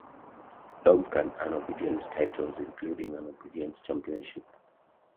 Dogs can earn obedience titles, including an obedience championship.